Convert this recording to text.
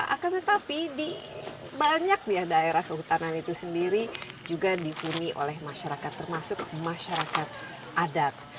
akan tetapi di banyak daerah kehutanan itu sendiri juga dihuni oleh masyarakat termasuk masyarakat adat